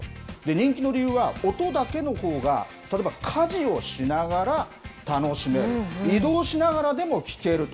人気の理由は、音だけのほうが、例えば家事をしながら楽しめる、移動しながらでも聞けると。